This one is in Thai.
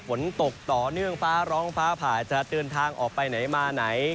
ฝนตกต่อเนื่องฟ้าร้องฟ้าผ่าจะเดินทางออกไปไหนมาไหน